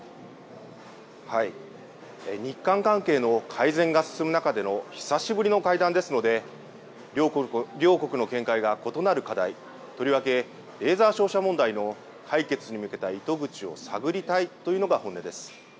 日韓関係の改善が進む中での久しぶりの会談ですので、両国の見解が異なる課題、とりわけレーダー照射問題の解決に向けた糸口を探りたいというのが本音です。